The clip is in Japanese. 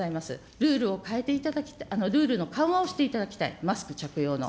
ルールを変えて、ルールの緩和をしていただきたい、マスク着用の。